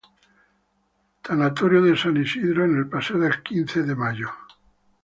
Tanatorio de San Isidro en el Paseo del Quince de Mayo.